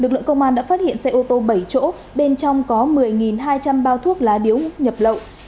lực lượng công an đã phát hiện xe ô tô bảy chỗ bên trong có một mươi hai trăm linh bao thuốc lá điếu nhập lậu